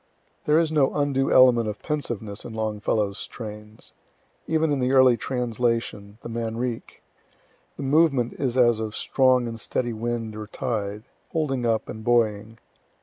There is no undue element of pensiveness in Longfellow's strains. Even in the early translation, the Manrique, the movement is as of strong and steady wind or tide, holding up and buoying.